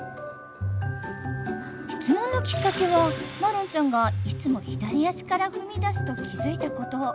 質問のきっかけはマロンちゃんがいつも左足から踏み出すと気付いたこと。